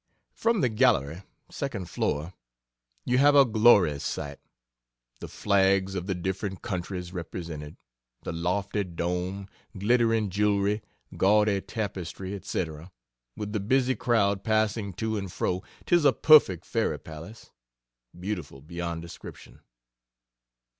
From the gallery (second floor) you have a glorious sight the flags of the different countries represented, the lofty dome, glittering jewelry, gaudy tapestry, &c., with the busy crowd passing to and fro tis a perfect fairy palace beautiful beyond description.